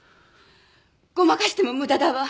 ごまかしても無駄だわ。